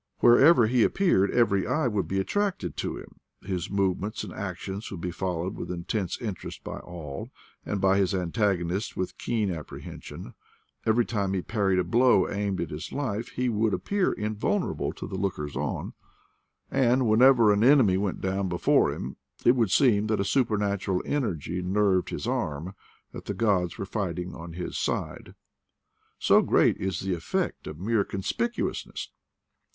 Wherever he appeared every eye would be attracted to him; his movements and actions would be followed with intense interest by all, and by his antagonists with keen apprehension; every time he parried a blow aimed at his life he would appear invulnerable to the lookers on, and when y 114 IDLE DAYS IN PATAGONIA ever an enemy went down before him it would seem that a supernatural energy nerved his arm, that the gods were fighting on his side. So great is the effect of mere conspicuousness